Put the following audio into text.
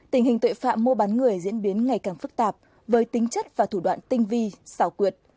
tình hình tội phạm mua bán người diễn biến ngày càng phức tạp với tính chất và thủ đoạn tinh vi xảo quyệt